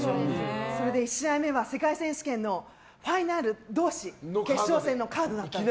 それで１試合目は世界選手権のファイナル同士の決勝戦のカードだったんです。